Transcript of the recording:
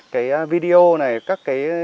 cái video này các cái